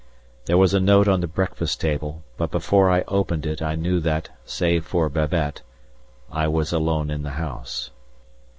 There was a note on the breakfast table, but before I opened it I knew that, save for Babette, I was alone in the house.